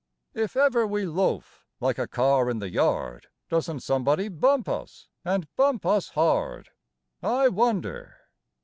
If ever we loaf, like a car in the yard, Doesn't somebody bump us, and bump us hard, I wonder?